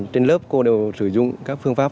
trên lớp cô đều sử dụng các phương pháp